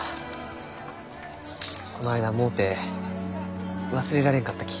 こないだうもうて忘れられんかったき。